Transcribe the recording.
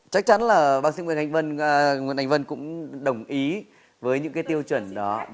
chắc chắn là bác sĩ nguyễn hành vân cũng đồng ý với những cái tiêu chuẩn đó